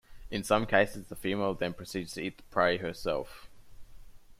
In some cases the female then proceeds to eat the prey herself.